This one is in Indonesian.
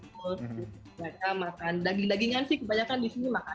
mereka makan daging dagingan sih kebanyakan di sini makan